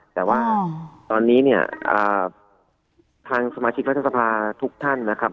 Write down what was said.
แต่ว่าตอนนี้เนี่ยทางสมาชิกรัฐสภาทุกท่านนะครับ